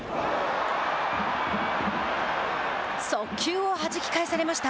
速球をはじき返されました。